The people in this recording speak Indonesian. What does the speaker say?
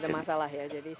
sekarang tidak ada masalah ya